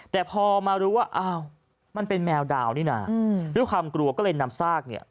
แต่พอมารู้ว่าอ้าวมันเป็นแมวดาวนี่นะด้วยความกลัวก็เลยนำซากเนี่ย